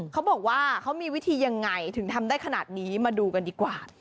เขาบอกว่าเขามีวิธียังไงถึงทำได้ขนาดนี้มาดูกันดีกว่า